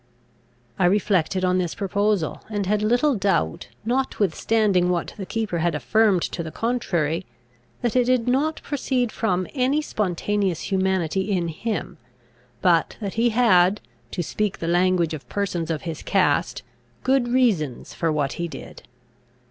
I reflected on this proposal, and had little doubt, notwithstanding what the keeper had affirmed to the contrary, that it did not proceed from any spontaneous humanity in him, but that he had, to speak the language of persons of his cast, good reasons for what he did.